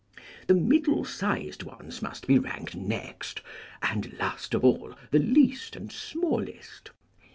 The middle sized ones must be ranked next, and last of all the least and smallest.